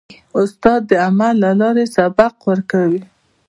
استاد د عمل له لارې سبق ورکوي.